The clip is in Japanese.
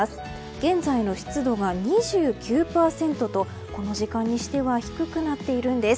現在の湿度は２９％とこの時間にしては低くなっているんです。